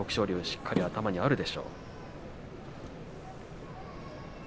しっかり頭にあるでしょう。